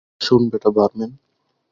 শোন বেটা বারম্যান।